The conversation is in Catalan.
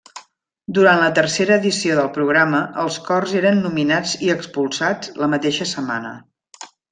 Durant la tercera edició del programa, els cors eren nominats i expulsats la mateixa setmana.